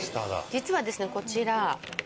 実はですねこちら